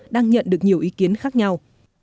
đang nhận được nhiều ý kiến khác nhau